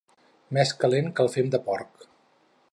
Més calent que el fem de porc.